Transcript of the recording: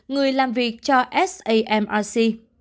người làm việc cho samrc